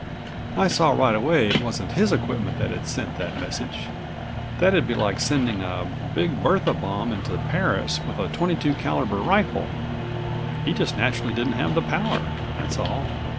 "I saw right away it wasn't his equipment that had sent that message—that'd be like sending a Big Bertha bomb into Paris with a twenty two caliber rifle. He just naturally didn't have the power, that's all.